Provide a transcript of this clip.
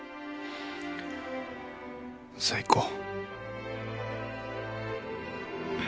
さぁ行こう